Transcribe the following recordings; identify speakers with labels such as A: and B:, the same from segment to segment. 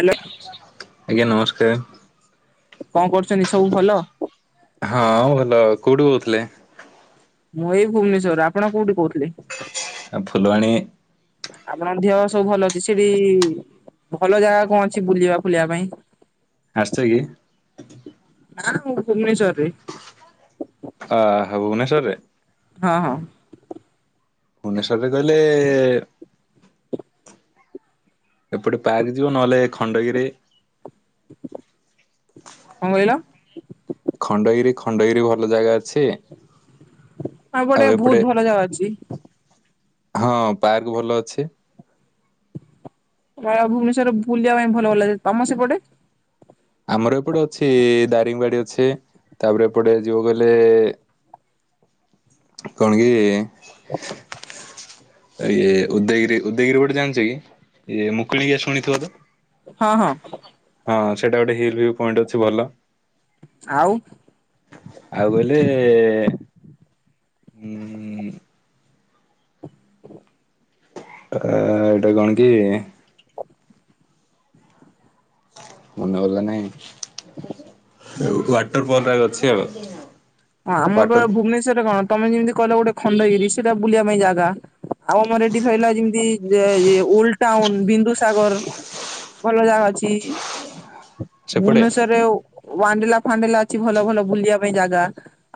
A: ହେଲା।
B: ଆଜ୍ଞା ନମସ୍କାର।
A: କଣ କରୁଛନ୍ତି ସବୁ ଭଲ?
B: ହଁ ଭଲ ଆଉ କୋଉଠୁ କହୁଥିଲେ?
A: ମୁଁ ଏଇ ଭୁବନେଶ୍ୱର ରୁ ଆପଣ କୋଉଠି କହୁଥିଲେ?
B: ଆ ଫୁଲବାଣୀ
A: ଆପଣଙ୍କ ଦେହ ସବୁ ଭଲ ଅଛି ସେଠି ଭଲ ଜାଗା କଣ ଅଛି ବୁଲିବା ଫୁଲିବା ପାଇଁ?
B: ଆସିଛକି?
A: ନା ମୁଁ ଭୁବନେଶ୍ୱର ରେ
B: ଆ ହେ ଭୁବନେଶ୍ୱରରେ?
A: ହଁ ହଁ।
B: ଭୁବନେଶ୍ଵରରେ କହିଲେ ଏପଟେ ପାର୍କ ଯିବ ନହେଲେ ଖଣ୍ଡଗିରି।
A: କଣ କହିଲ?
B: ଖଣ୍ଡଗିରି ଖଣ୍ଡଗିରି ଭଲ ଜାଗା ଅଛି।
A: ଗୋଟେ
B: ଆଉ
A: ବହୁତ
B: ଏପଟେ
A: ଭଲ ଜାଗା ଅଛି
B: ହଁ ପାର୍କବି ଭଲ ଅଛି।
A: ଅ ଭୁବନେଶ୍ୱର ବୁଲିବା ପାଇଁ ଭଲ ଭଲ ଲାଗେ ତମ ସେପଟେ?
B: ଆମର ଏପଟେ ଅଛି ଦାରିଙ୍ଗିବାଡ଼ି ଅଛି ତାପରେ ଏପଟେ ଯିବାକୁ ଗଲେ କଣକି ଇଏ ଉଦୟଗିରି ଉଦୟଗିରି ଗୋଟେ ଜାଣିଚକି ଇଏ ମୁକୁଣିକି ଶୁଣିଥିବତ?
A: ହଁ ହଁ।
B: ହଁ ସେଇଟା ଗୋଟେ ହିଲ୍ଭୁ ପଏଣ୍ଟ ଅଛି ଭଲ।
A: ଆଉ?
B: ଆଉ ଗଲେ ଉ
A: [inaudible]
B: ଅ ଏଟା କଣକି ମନେ ଗଲା ନାଇଁ ୱାଟର ଫୁଲ୍ ଅଛି ଆଉ।
A: ହଁ ଆମର
B: ୱାଟର
A: ଭୁବନେଶ୍ରରେ କଣ ତମେ ଯେମିତି କହିଲ ଗୋଟେ ଖଣ୍ଡଗିରି ସେଇଟା ବୁଲିବା ପାଇଁ ଜାଗା ଆଉ ଆମର ଏଠି ରହିଲା ଯେମିତି ଓଲ୍ ଟାଉନ୍ ବିନ୍ଦୁସାଗର ଭଲ ଜାଗା ଅଛି।
B: ସେପଟେ
A: ଭୁବନେଶ୍ୱରରେ ୱାଣ୍ଡେଲା ଫାଣ୍ଡେଲା ଅଛି ଭଲ ଭଲ ବୁଲିବା ପାଇଁ ଜାଗା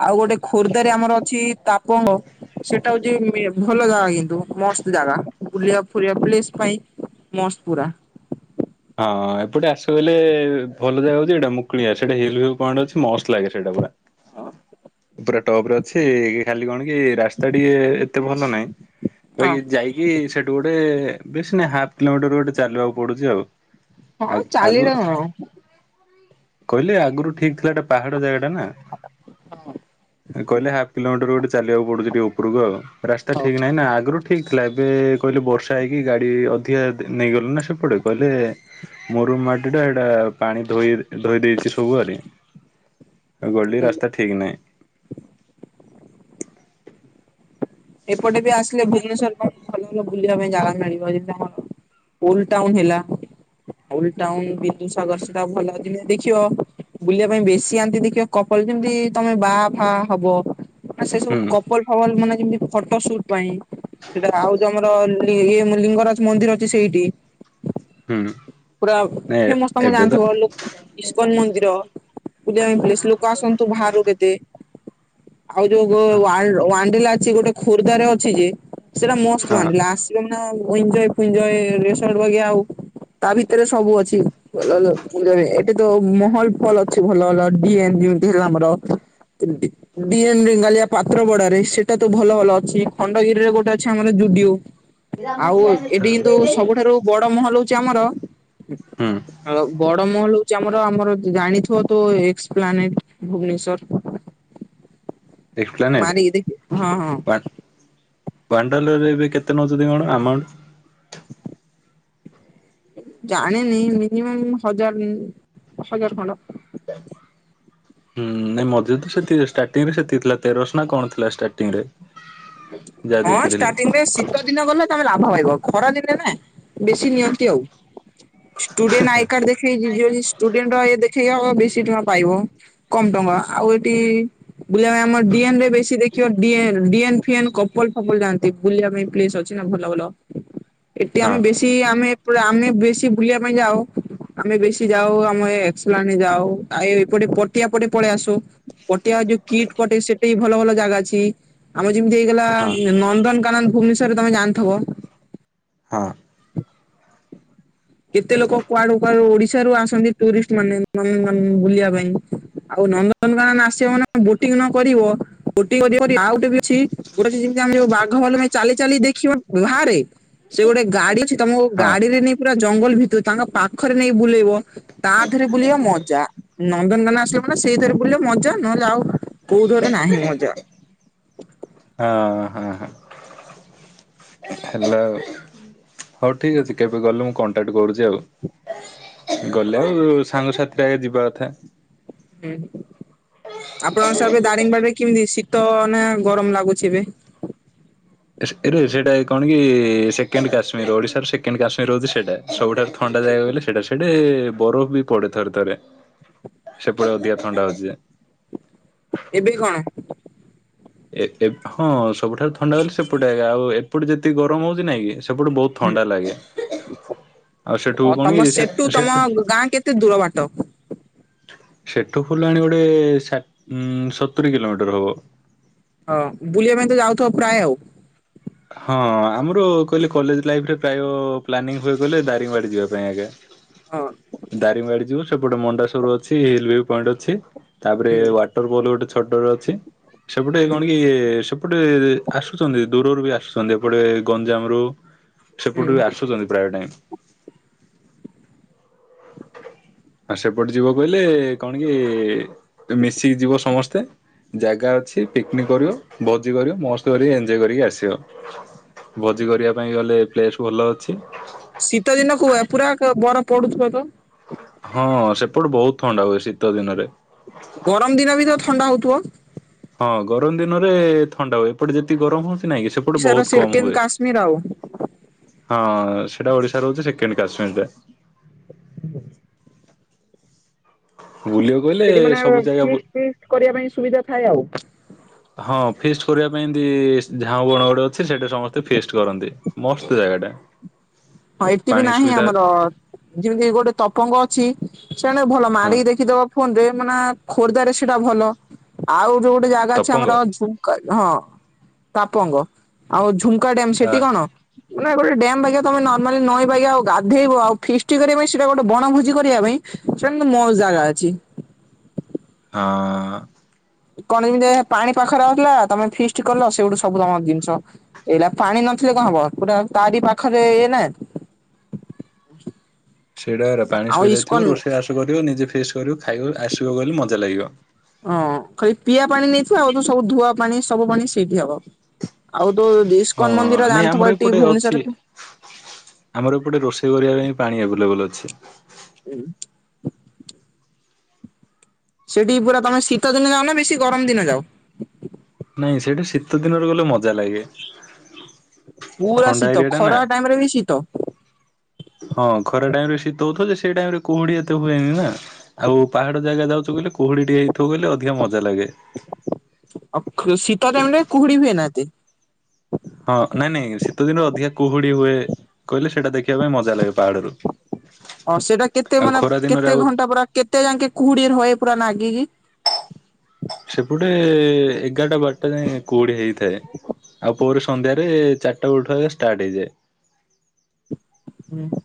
A: ଆଉ ଗୋଟେ ଖୋର୍ଦ୍ଧାରେ ଆମର ଅଛି ତାପଙ୍ଗ ସେଟା ହଉଚି ଭଲ ଜାଗା କିନ୍ତୁ ମସ୍ତ ଜାଗା ବୁଲିବା ଫୁଲିବା ପ୍ଲେସ୍ ପାଇଁ ମସ୍ତ ପୁରା।
B: ହଁ ଏପଟେ ଆସୁ ଗଲେ ଭଲ ଜାଗା ହଉଚି ଏଇଟା ମୁକୁଳିଆ ସେଟା ହିଲଭ ପଏଣ୍ଟ ଅଛି ମସ୍ତ ଲାଗେ ସେଇଟା ପୁରା।
A: ହଁ।
B: ଏପୁରା ଟପରେ ଅଛି ଖାଲି କଣକି ରାସ୍ତା ଟିକେ ଏତେ ଭଲ ନାହିଁ
A: ହଁ
B: ବାକି ଯାଇକି ସେଠୁ ଗୋଟେ ବେଶୀ ନାହିଁ ହାଫ୍ କିଲୋମିଟର୍ ଗୋଟେ ଚାଲିବାକୁ ପଡ଼ୁଚି ଆଉ। ଆ
A: ହଁ ଚାଲିଲେ
B: ଆଗରୁ
A: କଣ ହଁ
B: କହିଲେ ଆଗରୁ ଠିକ୍ ଥିଲା ଏଟା ପାହାଡ଼ ଜାଗା ନା କହିଲେ ହାଫ୍ କିଲୋମିଟର୍ ଗୋଟେ ଚାଲିବାକୁ ପଡ଼ୁଚି ଟିକେ ଉପରକୁ ଆଉ। ରାସ୍ତା
A: ହଉ।
B: ଠିକ୍ ନାହିଁନା ଆଗରୁ ଠିକ୍ ଥିଲା ଏବେ କହିଲେ ବର୍ଷା ହେଇକି ଗାଡ଼ି ଅଧିକା ନେଇଗଲେନା ସେପଟେ କଇଲେ ମହରମ୍ ମାଟିଟା ଏଇଟା ପାଣି ଧୋଇ ଧୋଇ ଦେଇଚି ସବୁଆରେ ଗଲି ରାସ୍ତା ଠିକ୍ ନାହିଁ।
A: ଏପଟେବି ଆସିଲେ ଭୁବନେଶ୍୍ୱର ଭଲ ଭଲ ବୁଲିବା ପାଇଁ ଜାଗା ମିଳିବ ଯଦି ତାଙ୍କର ଓଲ୍ ଟାଉନ୍ ହେଲା ଓଲ୍ ଟାଉନ୍ ବିନ୍ଦୁସାଗର ସେଟା ଭଲ ଦିନେ ଦେଖିବ। ବୁଲିବା ପାଇଁ ବେଶୀ ଆନ୍ତି ଦେଖିବ କପଲ୍ ଯେମିତି ତମେ ବା ଫା ହବ। ନା ସେସବୁ
B: ହୁଁ
A: କପଲ୍ ଫପଲ୍ ମାନେ ଯେମିତି ଫଟୋ ସୁଟ୍ ପାଇଁ ସେଟା ଆଉ ଯୋଉ ଆମର ଇଏ ଲିଙ୍ଗରାଜ ମନ୍ଦିର ଅଛି ସେଇଠି
B: ହୁଁ।
A: ପୁରା
B: ନାଇଁ
A: ଫେମସ୍ ତମେ
B: ଏବେ ତ
A: ଜାଣିଥିବ ଇସ୍କନ୍ ମନ୍ଦିର ବୁଲିବା ପାଇଁ ପ୍ଲେସ୍ ଲୋକ ଆସନ୍ତୁ ବାହାରୁ କେତେ। ଆଉ ଯୋଉ ୱ ୱଡିଲା ଅଛି ଗୋଟେ ଖୋର୍ଦ୍ଧରେ ଅଛି ଯେ ସେଇଟା ମସ୍ତ
B: ହଁ
A: ୱଡିଲା ଆସିବ ଏଞ୍ଜୟ୍ ଫେଞ୍ଜୟ ରେସଣ୍ତ୍ ବେଗ ଆଉ ତା ଭିତରେ ସବୁ ଅଛି ଭଲ ଭଲ ଏଠେତ ମହଲ ଫଲ୍ ଅଛି ଭଲ ଭଲ ନ ଯେମତି ହେଲା ଆମର ସେମିତି। ଡି ଏମ ରେଙ୍ଗାଲିଆ ପାତ୍ର ବାଡ଼ାରେ ସେଇଟାତ ଭଲ ଭଲ ଅଛି ଖଣ୍ଡଗିରିରେ ଗୋଟେ ଅଛି ଆମର ଜୁଡିଓ। ଆଉ ଏଠି କିନ୍ତୁ ସବୁଠାରୁ ବଡ଼ ମହଲ ହଉଚି ଆମର
B: ହୁଁ।
A: ହ ବଡ଼ ମହଲ ହଉଚି ଆମର ଆମର ଜାଣିଥିବତ ଏକ୍ସପ୍ଲାନେଟ ଭୁବନେଶ୍ଵର?
B: ଏକ୍ସପ୍ଲାନେଟ୍
A: ମାରିକି ଦେଖି ହଁ ହଁ।
B: [unintelligible] ୱାଣ୍ଡାଲରେ ଏବେ କେତେ ନେଉଛନ୍ତି କଣ ଆମାଉଣ୍ଟ?
A: ଜାଣିନି ମିନିମମ୍ ହଜାର ହଜାର ଖଣ୍ଡ।
B: ହୁଁ ନାଇଁ ମଝିରେ ତ ସେ ଷ୍ଟାର୍ଟିଂ ରେ ତ ସେତିକ ଥିଲା ତେରସ ନା କଣ ଥିଲା ଷ୍ଟାର୍ଟିଂ ରେ। ହୁଁ
A: ହଁ ଷ୍ଟାର୍ଟିଂରେ ଶୀତ ଦିନ ଗଲେ ତମେ ଲାଭ ପାଇଇବ ଖରା ଦିନେ ନା ବେଶୀ ନିଅନ୍ତି ଆଉ। ଷ୍ଟୁଡେଣ୍ଟ ଆଇ କାର୍ଡ ଦେଖେଇ ଯିବ ଷ୍ଟୁଡେଣ୍ଟ ଦେଖେଇକି ଆ ବେଶୀ ଟଙ୍କା ପାଇବ। କମ ଟଙ୍କା ଆଉ ଏଟି ବୁଲ ଆମ ଡିଏନ ରେ ବେଶୀ ଦେଖିବ ଡିଏନ ଫିଏନ କପଲ ଫପଲ ଯାଆନ୍ତି ବୁଲିବା ପାଇଁ ପ୍ଲେସ୍ ଅଛି ନା ଭଲ ଭଲ। ଏଠି
B: ହଁ
A: ଆମେ ବେଶୀ ଆମେ ପୁରା ଆମେ ବେଶୀ ବୁଲିବା ପାଇଁ ଯାଉ ଆମେ ବେଶୀ ଯାଉ ଆମେ ଏକସଲା ଯାଉ ଆ ଏପଟେ ପଟିଆ ପଟେ ପଳେଇ ଆସୁ। ପଟିଆ ଯୋଉ କିଟ୍ ପଟେ ସେଟା ବି ଭଲ ଭଲ ଜାଗା ଅଛି ଆମର ଯେମିତି ହେଇଗଲା
B: ହଁ
A: ନନ୍ଦନକାନନ ଭୁବନେଶ୍ଵର ରେ ତମେ ଜାଣିଥିବ?
B: ହଁ।
A: କେତେ ଲୋକ କୁଆଡୁ କୁଆଡୁ ଓଡ଼ିଶାରୁ ଆସନ୍ତି ଟୁରିଷ୍ଟ ମାନେ ନନ୍ଦନକାନନ ବୁଲିବା ପାଇଁ। ଆଉ ନନ୍ଦନକାନ ଆସିବ ନା ବୋଟିଂ ନ କରିବ ବୋଟିଂ ଆଉ ଗୋଟେ ଅଛି ଗୋଟେ ସେ ଯେମିତି ଆମେ ଯୋଉ ବାଘ ଭାଲୁ ଅଛି ଚାଲି ଚାଲି ଦେଖିବ ବାହାରେ ସେ ଗୋଟେ ଗାଡି ଅଛି ତମ
B: ହଁ
A: ଗାଡିରେ ନେଇ ପୁରା ଜଙ୍ଗଲ ଭିତରୁ ତାଙ୍କ ପାଖରେ ନେଇ ବୁଲେଇବ ତାଥିରେ ବୁଲିବ ମଜା। ନନ୍ଦନକାନ ଆସିବ ମାନେ ସେଇ ରେ ବୁଲିଲେ ମଜା ନହେଲେ ଆଉ କୋଉ ରେ ନାହିଁ ମଜା।
B: ହଁ ହଁ ହଁ। ହେଲା ହଉ ଠିକ ଅଛି କେବେ ଗଲେ ମୁଁ କଣ୍ଟାକ୍ଟ କରୁଛି। ଯାଉ ଗଲେ
A: ହଁ।
B: ଆଉ ସାଙ୍ଗସାଥିରେ ଆଗେ ଯିବା କଥା
A: ହୁଁ ଆପଣଙ୍କ ସାର୍ ଏବେ ଦାରିଙ୍ଗବାଡ଼ିରେ କେମିତି ଶୀତ ନା ଗରମ ଲାଗୁଛି ଏବେ?
B: ଏରେ ସେଇଟା କଣ କି ସେକେଣ୍ଡ କାଶ୍ମୀର ଓଡ଼ିଶାର ସେକେଣ୍ଡ କାଶ୍ମୀର ହଉଛି ସେଇଟା। ସବୁଠାରୁ ଥଣ୍ଡା ଜାଗା ବୋଲେ ସେଟା [unintelligible] ସେଠେ ବରଫ ବି ପଡେ ଥରେ ଥରେ ସେପଟେ ଅଧିକା ଥଣ୍ଡା ହଉଛି ଯେ
A: ଏବେ କଣ
B: ଏ ଏ ହଁ ସବୁଠାରୁ ଥଣ୍ଡା ଗଲେ ସେପଟେ ଏକା ଆଉ ଏପଟେ ଯେତିକି ଗରମ ହଉଛି ନାଇଁ କି? ସେପଟୁ ବହୁତ
A: ହୁଁ।
B: ଥଣ୍ଡା ଲାଗେ ଆଉ ସେଠୁ
A: ଅ
B: କଣ
A: ତମ
B: କି
A: ସେଠୁ ତମ
B: ସେଠ
A: ଗାଁ କେତେ ଦୂର ବାଟ।
B: ସେଠୁ ଫୁଲବାଣୀ ଗୋଟେ ଉ ସା ସତୁରି କିଲୋମିଟର ହବ।
A: ହଁ ବୁଲିବା ପାଇଁ ତ ଯାଉଥିବ ପ୍ରାୟ ଆଉ।
B: ହଁ ଆମର କହିଲେ କଲେଜ ଲାଇଫରେ ପ୍ରାୟ ପ୍ଲାନିଂ ହୁଏ କହିଲେ ଦାରିଙ୍ଗବାଡି ଯିବା ପାଇଁ ଆଜ୍ଞା।
A: ହଁ
B: ଦାରିଙ୍ଗବାଡ଼ି ଯିବୁ ସେପଟେ ମଣ୍ଡା ସୋର ଅଛି ହିଲ ଭ ପଏଣ୍ଟ ଅଛି ତାପରେ
A: ହୁଁ
B: ଛ ଗୋଟେ ଛୋଟରେ ଅଛି ସେପଟେ
A: ହୁଁ
B: କଣ କି ସେପଟେ ଆସୁଛନ୍ତି ଦୂରରୁ ବି ଆ ଆସୁଛନ୍ତି ଏପଟେ ଗଞ୍ଜାମ ରୁ ସେପଟେ ବି
A: ହୁଁ।
B: ଆସୁଛନ୍ତି ପ୍ରାୟ ଟାଇମ। ଆଉ ସେପଟେ ଯିବ କହିଲେ କଣ କି ମିଶିକି ଯିବ ସମସ୍ତେ। ଜାଗା ଅଛି ପିକନିକ୍ କରିବ ଭୋଜି କରିବ ମସ୍ତ କରିକି ଏଞ୍ଜୟ କରିକି ଆସିବ। ଭୋଜି କରିବା ପାଇଁ ଗଲେ ପ୍ଲେସ ଭଲ ଅଛି।
A: ଶୀତ ଦିନ କୁହ ପୁରା ବରଫ ପଡୁଥିବ ତ?
B: ହଁ ସେପଟେ ବହୁତ ଥଣ୍ଡା ହୁଏ ଶୀତ ଦିନରେ।
A: ଗରମ ଦିନ ବି ତ ଥଣ୍ଡା ହଉଥିବ?
B: ହଁ ଗରମ ଦିନରେ ଥଣ୍ଡା ହୁଏ। ଏପଟେ ଯେତିିକି ଗରମ ହଉଛି ନାଇଁ କି ସେ
A: ଚର ସିଫ୍ଟିନି କଶ୍ମୀ ରାଉ।
B: ହଁ ସେଇଟା ଓଡିଶାର ହଉଛି ସେକେଣ୍ଡ କାଶ୍ମୀରି ଟା।
A: ହ
B: ବୁଲି ଆକୁ
A: ସେଠି ମାନେ ଫିଷ୍ଟି ଫିଷ୍ଟୀ କରିବା ପାଇଁ ସୁବିଧା ଥାଏ ଆଉ।
B: ହଁ ଫିଷ୍ଟି କରିବା ପାଇଁ ଏମିତି ଝାଁଉ ବଣ ଗୋଟେ ଅଛି ସେଇଟା ସମସ୍ତେ ଫିଷ୍ଟି କରନ୍ତି। ମସ୍ତ ଜାଗା ଟା।
A: ହଁ ଏଠି ବି ନାହିଁ ଆମର ଯେମିତି ଗୋଟେ ତପଙ୍ଗ ଅ ଅଛି ସେଣେ ଭଲ
B: ହଁ
A: ମାରିକି ଦେଖିଦବ ଫୋନ ରେ ମାନେ ଖୋର୍ଦ୍ଧାରେ ସେଟା ଭଲ ଆଉ ଯୋଉ ଗୋଟେ ଜାଗା ଅଛି
B: ତପଙ୍ଗ
A: ଆମର ଝୁ ହଁ ତାପଙ୍ଗ ଆଉ ଝୁମ୍କା ଡ୍ୟମ୍
B: ଆ
A: ସେଠି କଣ? ମାନେ ଗୋଟେ ଡ୍ୟମ ବାଗିଆ ତମେ ନ ମାନେ ନଈବାଗ୍ୟ ଆଉ ଗାଧେଇବ ଆଉ ଫିଷ୍ଟି କରିବା ପାଇଁ ସେଇଟା ଗୋଟେ ବଣଭୋଜି କରିବା ପାଇଁ ସେଇଟା କିନ୍ତୁ ମସ୍ତ୍ ଜାଗା ଅଛି।
B: ହଁ।
A: କଣ ଏମିତିଆ ପାଣି ପାଖରେ ଆସିଲା ତମେ ଫିଷ୍ଟ କଲ ସେଠୁ ସବୁ ତମର ଜିନିଷ ଏଇଲା ପାଣି ନଥିଲେ କଣ ହବ ପୁରା ତାରି ପାଖରେ ଇଏ ନା [unintelligible]
B: ସେଇଟା ପରା ପାଣି
A: ଆଉ
B: ସୁବିଧା ଥିବ
A: ଇସ୍କନ
B: ରୋଷେଇ ବାସ କରିବ ନିଜେ ଫିଷ୍ଟ୍ କରିବୁ ଖାଇ ଆସିବକୁ ବଲେ ମଜା ଲାଗିବ।
A: ହଁ ଖାଲି ପିଆ ପାଣି ନେଇଥିବ ଆଉ ତ ସବୁ ଧୁଆ ପାଣି ସବୁ ପାଣି ସେଇଠି ହବ। ଆଉ ଦୋ ଇସ୍କନ
B: ହଁ
A: ମନ୍ଦିର
B: ନାଇଁ ଆମର
A: ଜାଣିଥିବ ଏଠି
B: ଏପଟେ
A: ଭୁବନେଶ୍ଵରରେ
B: ଅଛି
A: କୁ
B: ଆମର ଏପଟେ ରୋଷେଇ କରିବା ପାଇଁ ପାଣି ଏଭେଲେବୁଲୁ ଅଛି।
A: ହୁଁ। ସେଠି ପୁରା ତମେ ଶୀତ ଦିନେ ଯାଉ ନା ବେଶୀ ଗରମ ଦିନ ଯାଅ?
B: ନାଇଁ ସେଇଠି ଶୀତ ଦିନରେ ଗଲେ ମଜା ଲାଗେ।
A: ପୁରା
B: ଥଣ୍ଡା
A: ଶୀତ
B: ଏରିଆ ଟା ନା
A: ଖରା ଟାଇମ ରେ ବି ଶୀତ?
B: ହଁ ଖରା ଟାଇମ ରେ ସୀତ ହେଉଥିବ ଯେ ସେଇ ଟାଇମ ରେ କୁହୁଡି ଏତେ ହୁଏନି ନା? ଆଉ ପାହାଡ ଜାଗା ଯାଉଚୁ ବଲେ କୁହୁଡି ଟିକେ ହେଇଥିବ ବଲେ ଅଧିକା ମଜା ଲାଗେ।
A: ଆ ଖୁଁ ଶୀତ ଟାଇମ ରେ କୁହୁଡି ହୁଏନା ଏତେ?
B: ହଁ ନାଇଁ ନାଇଁ ଶୀତ ଦିନରେ ଅଧିକା କୁହୁଡି ହୁଏ କହିଲେ ସେଇଟା ଦେଖିବା ପାଇଁ ମଜା ଲାଗେ ପାହାଡରୁ
A: ହଁ ସେଟା କେତେ
B: ଆଉ
A: ମାନେ
B: ଖରା ଦିନରେ
A: କେତେ
B: ଆଉ
A: ଘଣ୍ଟା ପୁରା କେତେ ଜାଙ୍କେ କୁହୁଡି ରହେ ପୁରା ନାଗିକି?
B: ସେପଟେ ଏଗାରଟା ବାରଟା ଯାଏ କୋଡ଼ିଏ ହେଇଥାଏ। ଆଉ ପରେ ସନ୍ଧ୍ୟାରେ ଚାରିଟା ବୋଳେଠୁ ଷ୍ଟାର୍ଟ ହେଇଯାଏ।
A: ହୁଁ।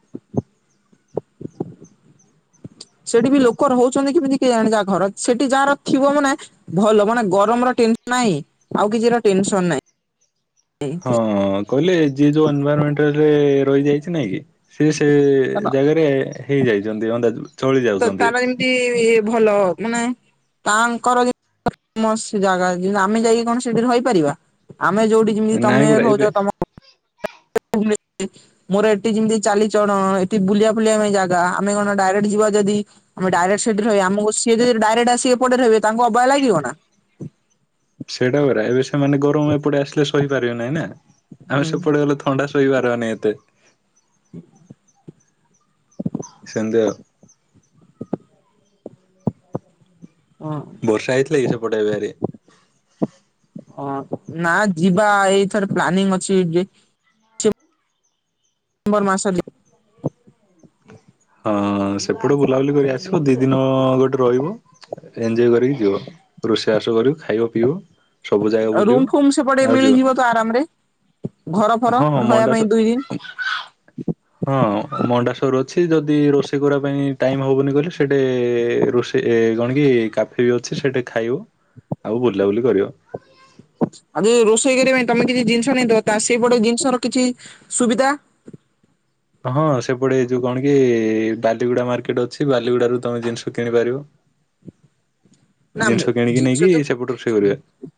A: ସେଠି ବି ଲୋକ ରହୁଛନ୍ତି କେମିତି କେଜାଣ ଯାହା ଘର ସେଠି ଯାହାର ଥିବ ମାନେ ଭଲ ମାନେ ଗରମ ର ଟେନସ ନାହିଁ ଆଉ କିଛିର ଟେନସନ ନାହିଁ।
B: ହଁ କହିଲେ ଯିଏ ଯୋଉ ଏନଭରମେଣ୍ଟରେ ରହିଯାଇଛି ନାଇଁ କି? ସେ ସେ ଜାଗାରେ ହେଇଯାଇଛନ୍ତି ଅନ୍ଦାଜ ଚଳି
A: ତ
B: ଯାଉଛନ୍ତି।
A: ତାର ଏମିତି ଭଲ ମାନେ ତାଙ୍କର ମସ୍ତ ଜାଗା ଅଛି ଯେ ଆମେ ଯାଇକି କଣ ସେଠି ରହିପାରିବା ଆମେ ଯୋଉଠି ଯେମିତି
B: ନାଇଁ
A: ତମେ
B: ପରା ଏବେ
A: ହଉଛ ତମ [unintelligible] ମୋର ଏଠି ଯେମିତି ଚାଲି ଚଳନ ଏଠି ବୁଲିବା ଫୁଲିବା ପାଇଁ ଜାଗା ଆମେ କଣ ଡାଇରେକ୍ଟ ଯିବା ଯଦି ଆମେ ଡାଇକ୍ଟ ସେଠି ରହିବା ଆମକୁ ସିଏ ଯଦି ଡାଇରେକକ୍ଟ ଆସି ଏପଟେ ରହିବେ ତାଙ୍କୁ ଅବାଗ୍ୟ ଲାଗିବ ନା।
B: ସେଇଟା ପରା ଏବେ ସେମାନେ ଗରମ ଏପଟେ ଆସିଲେ ସହିପାରିବେ ନହିଁ ନା ଆମେ
A: ହୁଁ।
B: ସେପଟେ ଗଲେ ତ ଥଣ୍ଡା ସାହିପାରିବା ନାଇଁ ଏତେ। ସେମିତି ଆଉ।
A: ହଁ
B: ବର୍ଷା ହେଇଥିଲା କି ସେପଟେ ଏରିଆ ରେ।
A: ହଁ ନା ଯିବା ଏଇଥର ପ୍ଲାନିଂ ଅଛି ଯେ ମ୍ବର ମାସରେ ଯେ
B: ହଁ ସେପଟେ ବୁଲାବୁଲି କରିକି ଆସିବ ଦି ଦିନ ଗୋଟେ ରହିବ ଏଞ୍ଜୟ କରିକି ଯିବ। ରୋଷେଇବାସ କରିବ ଖାଇବ ପିଇ ବ ସବୁ ଜାଗା
A: ରୁମ୍
B: ବୁଲିବ
A: ଫୁମ୍ ସେପଟେ
B: ଆଉ ଯିବ।
A: ମିଳିଯିବ ତ ଆରାମ ରେ ଘର ଫର
B: ହଁ
A: ରହିବା
B: ମଣ୍ଡା
A: ପାଇଁ
B: ସ
A: ଦୁଇ ଦିନ।
B: ହଁ ମଣ୍ଡାସର ଅଛି ଯଦି ରୋଷେଇ କରିବା ପାଇଁ ଟାଇମ ହବନି କହିଲେ ସେ ହେଟି ରୋଷେଇ ଏ କଣ କି କା ଫି ଅଛି ସେଇଠି ଖାଇବ ଆଉ ବୁଲାବୁଲି କରିବ।
A: ଆଉ ଯଦି ରୋଷେଇ କରିବା ପାଇଁ ତମେ କିଛି ଜିନିଷ ନେଇଥିବ ତା ସେଇପଟ ଜିନିଷର କିଛି ସୁବିଧା?
B: ହଁ ସେପଟେ ଏଇ ଯୋଉ କଣ କି ବାଲିଗୁଡ଼ା ମାର୍କେଟ ଅଛି ବାଲିଗୁଡ଼ା ରୁ ତମେ ଜିନିଷ କିଣିପାରିବ।
A: ନା
B: ଜିନିଷ
A: ମୁଁ
B: କିଣିକି ନେଇକି
A: ଜିନିଷ ତ
B: ସେପଟୁ ରୋଷେଇ କରିବା
A: [unintelligible]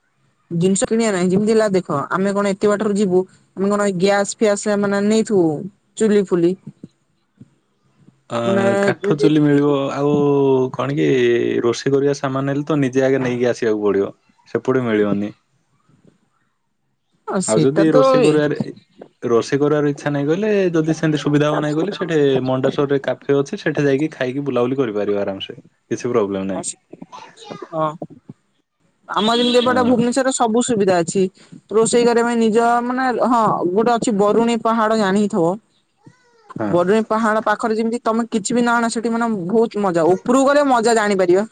A: ଜିନିଷ କିଣିବା ନାହିଁ ଯେମିତି ହେଲା ଦେଖ ଆମେ କଣ ଏତେ ବାଟରୁ ଯିବୁ। ଆମେ କଣ ଗ୍ୟାସ ଫ୍ୟାସ ଏ ମାନେ ନେଇଥିବୁ ଚୁଲି ଫୁଲି। ମାନେ
B: ଆଁ କାଠ ଚୁଲି ମିଳିବ ଆ ଆଉ କଣ କି ରୋଷେଇ କରିବା ସାମାନ ହେଲେ ତ ନିଜେ ଆଗେ ନେଇକି ଆସିବାକୁ ପଡ଼ିବ। ସେପଟେ ମିଳିବନି।
A: ଆ
B: ଆଉ
A: ସେଇଟା
B: ଯଦି
A: ତ
B: ରୋଷେଇ
A: ଏ
B: କରିବାରେ ରୋଷେଇ କରିବାର ଇଚ୍ଛା ନାଇଁ କହିଲେ ଯଦି ସେମିତି ସୁବିଧା ହବ ନାଇଁ ଗଲେ ସେଇଠି ମଣ୍ଡାସୋରରେ କା ଫେ ଅଛି ସେଠେ ଯାଇକି ଖାଇକି ବୁଲାବୁଲି କରିପାରିବ ଆରାମ ସେ କିଛି ପ୍ରୋବ୍ଲେମ ନାହିଁ।
A: ହଁ ଆମର ଯେମିତି ଏପଟେ
B: ହଁ
A: ଭୁବନେଶ୍ଵରରେ ସବୁ ସୁବିଧା ଅଛି। ରୋଷେଇ କରିବା ପାଇଁ ନିଜ ମାନେ ହଁ ଗୋଟେ ଅଛି ବରୁଣୀ ପାହାଡ଼ ଜାଣିିଥିବ।
B: ହଁ
A: ବରୁଣି ପାହାଡ଼ ପାଖରେ ଯେମିତି ତମେ କିଛି ବି ନା ଆଣ ସେଠି ମାନେ ବୋହୁତ ମଜା ଉପରକୁ ଗଲେ ମଜା ଜାଣିପାରିବ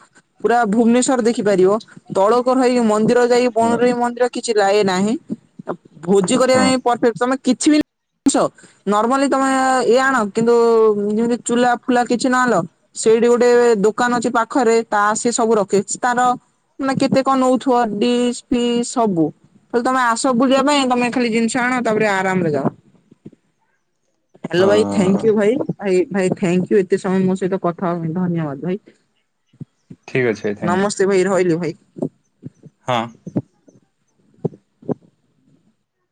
A: ପୁରା ଭୁବନେଶ୍ୱର ଦେଖିପାରିବ ତଳକର ହେଇ ଯୋଉ ମ ନ୍ଦିର ଯାଇକି
B: ହଁ
A: [unintelligible] ମନ୍ଦିର କିଛି ଲାଏ ନାହିଁ ଆ ଭୋଜି କରିବା
B: ହଁ
A: ପାଇଁ ପରଫେକ୍ଟ ତେ କିଛି ବି ସ ନର୍ମାଲି ତମେ ଇଏ ଆଣ କିନ୍ତୁ ଯେମିତି ଚୁଲା ଫୁଲା କିଛି ନ ଆଣିଲ ସେଇଠି ଗୋଟେ ଦୋକାନ ଅଛି ପାଖରେ ତା ସିଏ ସବୁ ରଖିଛି ତାର ମାନେ କେତେ କଣ ନଉଥିବ ଡିସ୍ ପିସ୍ ସବୁ। ଖାଲି ତମେ ଆସ ବୁଲିବା ପାଇଁ ତମେ ଖାଲି ଜିନିଷ ଆଣ ତାପରେ ଆରାମରେ ଯାଅ। ହାଲୋ ଭାଇ ଥାଙ୍କ୍
B: ହଁ
A: ୟୁ ଭାଇ ଭାଇ ଭାଇ ଥାଙ୍କ୍ ୟୁ ଏତେ ସମୟ ମୋ ସହିତ କଥା ହବା ପାଇଁ ଧନ୍ୟବାଦ ଭାଇ।
B: ଠିକ୍ ଅଛି ବି ଥ୍ୟାଙ୍କ୍ ୟୁ।
A: [unintelligible] ରହିଲି ଭାଇ।
B: ହଁ।
A: [inaudible]